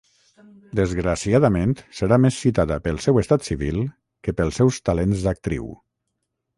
Desgraciadament, serà més citada pel seu estat civil que pels seus talents d'actriu.